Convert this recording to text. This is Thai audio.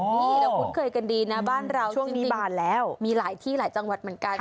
นี่เจอก่อนดีนะบ้านเรามีหลายที่หลายจังหวัดเหมือนกัน